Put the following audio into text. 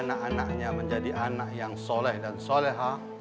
anak anaknya menjadi anak yang soleh dan soleha